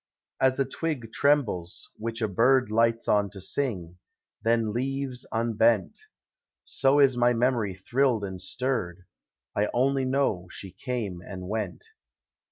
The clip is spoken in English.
As a twig trembles, which a bird Lights on to sing, then leaves unbent, So is my memory thrilled and stirred; — I only know she came and went.